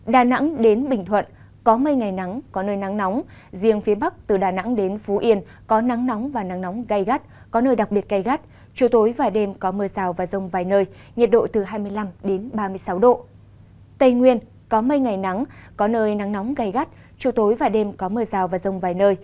tây nguyên có mây ngày nắng có nơi nắng nóng gây gắt chủ tối và đêm có mưa rào và rông vài nơi nhiệt độ từ hai mươi một đến ba mươi bảy độ